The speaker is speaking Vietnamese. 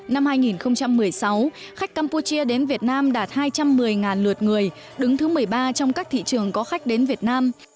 năm hai nghìn một mươi sáu khách campuchia đến việt nam đạt hai trăm một mươi lượt người đứng thứ một mươi ba trong các thị trường có khách đến việt nam